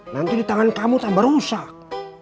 nanti di tangan kamu tambah rusak